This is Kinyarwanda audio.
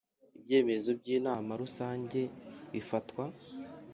Ibyemezo by Inama Rusange bifatwa